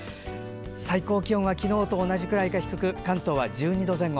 最高気温は昨日と同じくらいか低く関東は１２度前後。